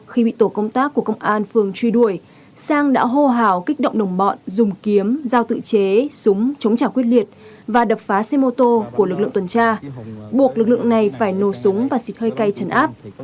khi bị tổ công tác của công an phường truy đuổi sang đã hô hào kích động đồng bọn dùng kiếm giao tự chế súng chống trả quyết liệt và đập phá xe mô tô của lực lượng tuần tra buộc lực lượng này phải nổ súng và xịt hơi cay chấn áp